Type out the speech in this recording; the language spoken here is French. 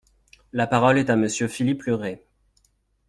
La parole est à Monsieur Philippe Le Ray.